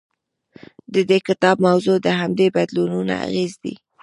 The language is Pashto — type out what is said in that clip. د دې کتاب موضوع د همدې بدلونونو اغېز دی.